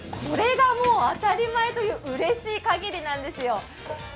これが、当たり前といううれしいかぎりなんですよ。